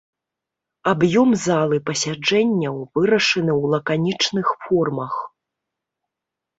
Аб'ём залы пасяджэнняў вырашаны ў лаканічных формах.